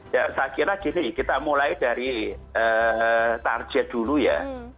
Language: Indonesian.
ya saya kira gini kita mulai dari target dulu ya